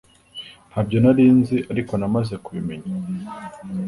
… ntabyo nari nzi ariko namaze kubimenya